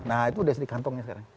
nah itu sudah di kantongnya sekarang